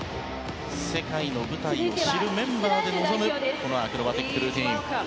世界の舞台を知るメンバーで臨むアクロバティックルーティン。